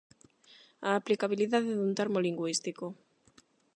A aplicabilidade dun termo lingüístico.